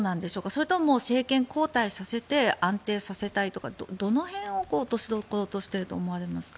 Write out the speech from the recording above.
それとも政権交代させて安定させたいとかどの辺を落としどころとしていると思われますか？